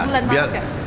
di bulan maret gak